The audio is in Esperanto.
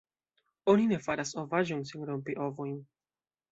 Oni ne faras ovaĵon sen rompi ovojn!